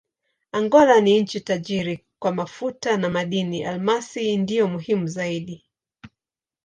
Angola ni nchi tajiri kwa mafuta na madini: almasi ndiyo muhimu zaidi.